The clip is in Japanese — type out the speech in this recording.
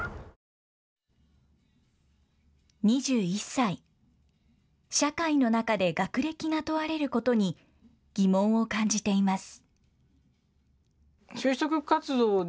２１歳、社会の中で学歴が問われることに疑問を感じています。